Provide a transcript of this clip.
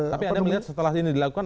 tapi anda melihat setelah ini dilakukan